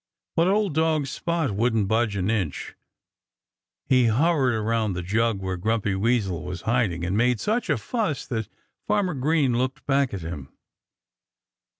But old dog Spot wouldn't budge an inch. He hovered about the jug where Grumpy Weasel was hiding and made such a fuss that Farmer Green looked back at him.